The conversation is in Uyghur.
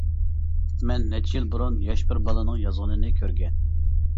مەن نەچچە يىل بۇرۇن ياش بىر بالىنىڭ يازغىنىنى كۆرگەن.